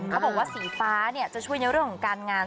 เขาบอกว่าสีฟ้าจะช่วยในเรื่องของการงาน